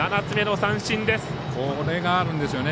７つ目の三振です！